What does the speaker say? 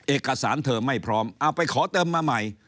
เอกสารเธอไม่พร้อมเอาไปขอเติมมาใหม่